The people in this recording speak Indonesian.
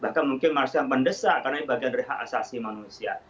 bahkan mungkin masih mendesak karena ini bagian dari hak asasi manusia